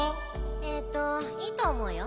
えっといいとおもうよ。